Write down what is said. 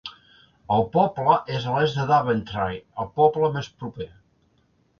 El poble és a l'est de Daventry, el poble més proper.